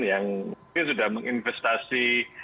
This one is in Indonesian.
yang sudah menginvestasi